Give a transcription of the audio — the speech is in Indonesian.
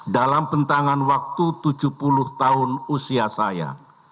dalam pentangan waktu tujuh puluh tahun usia saya